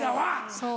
そう。